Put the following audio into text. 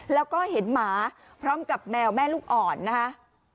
แล้วก็เห็นหมาพร้อมกับแมวแม่ลูกอ่อนนะคะ